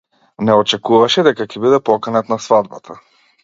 Не очекуваше дека ќе биде поканет на свадбата.